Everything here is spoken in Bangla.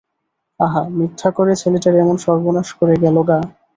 আহা, মিথ্যা করে ছেলেটার এমন সর্বনাশ করে গেল গো!